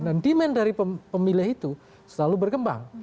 dan demand dari pemilih itu selalu berkembang